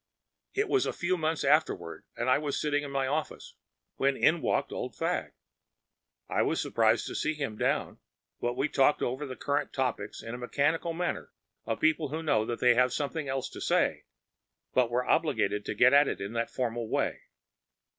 It was a few months afterward, and I was sitting in my office when in walked Old Fagg. I was surprised to see him down, but we talked over the current topics in that mechanical manner of people who know that they have something else to say, but are obliged to get at it in that formal way.